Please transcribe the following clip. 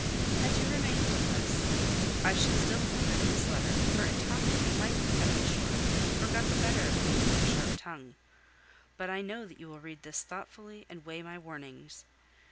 Had you remained with us, I should still have written this letter, for in talking you might have cut me short or got the better of me with your sharp tongue. But I know that you will read this thoughtfully and weigh my warnings.